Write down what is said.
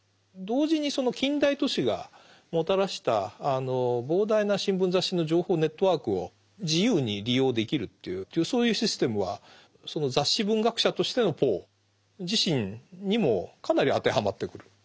同時にその近代都市がもたらした膨大な新聞雑誌の情報ネットワークを自由に利用できるというそういうシステムはその雑誌文学者としてのポー自身にもかなり当てはまってくる。